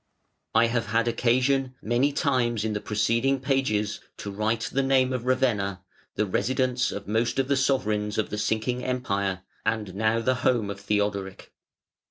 I have had occasion many times in the preceding pages to write the name of Ravenna, the residence of most of the sovereigns of the sinking Empire, and now the home of Theodoric.